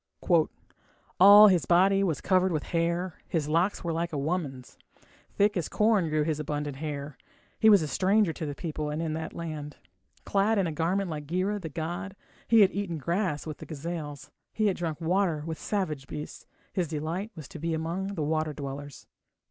All his body was covered with hair, His locks were like a woman's, Thick as corn grew his abundant hair. He was a stranger to the people and in that land. Clad in a garment like Gira, the god, He had eaten grass with the gazelles, He had drunk water with savage beasts. His delight was to be among water dwellers.